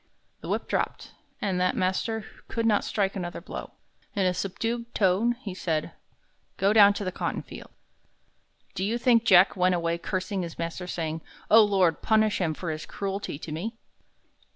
The whip dropped, and that master could not strike another blow. In a subdued tone he said: "Go down in the cotton field." Do you think Jack went away cursing his master, saying, "O Lord, punish him for all his cruelty to me"?